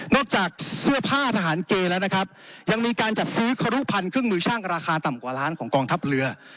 จากเสื้อผ้าทหารเกแล้วนะครับยังมีการจัดซื้อครุพันธ์เครื่องมือช่างราคาต่ำกว่าล้านของกองทัพเรือ